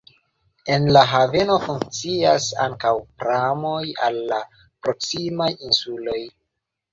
En la haveno funkcias ankaŭ pramoj al la proksimaj insuloj.